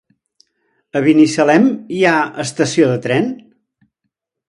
A Binissalem hi ha estació de tren?